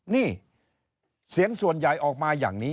นี่เสียงส่วนใหญ่ออกมาอย่างนี้